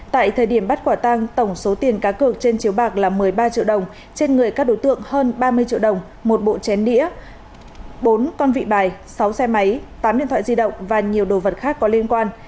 tại thời điểm bắt quả tăng tổng số tiền cá cược trên chiếu bạc là một mươi ba triệu đồng trên người các đối tượng hơn ba mươi triệu đồng một bộ chén đĩa bốn con vị bài sáu xe máy tám điện thoại di động và nhiều đồ vật khác có liên quan